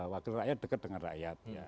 wakil rakyat dekat dengan rakyat